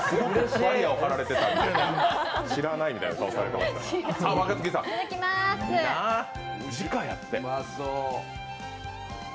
バリアを張られていたんで、知らないみたいな顔をされていて。